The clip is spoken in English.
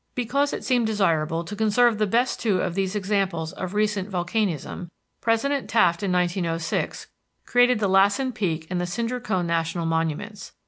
Because it seemed desirable to conserve the best two of these examples of recent volcanism, President Taft in 1906 created the Lassen Peak and the Cinder Cone National Monuments.